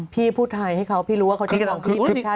พี่พูดไทยให้เขาพี่รู้ว่าเขาที่อย่างน้องพี่เป็นฉัน